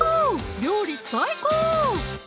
料理最高！